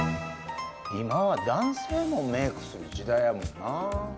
今は男性もメイクする時代やもんな。